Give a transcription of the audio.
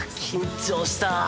緊張した。